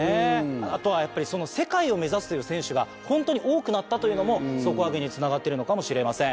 あとはやっぱり世界を目指すという選手がホントに多くなったというのも底上げにつながってるのかもしれません。